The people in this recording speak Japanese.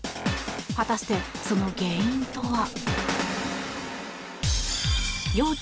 果たして、その原因とは。